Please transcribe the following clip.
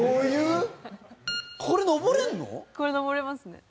これ登れますね。